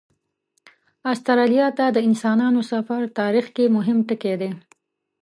استرالیا ته د انسانانو سفر تاریخ کې مهم ټکی دی.